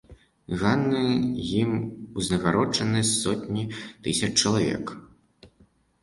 Ганны ім узнагароджаны сотні тысяч чалавек.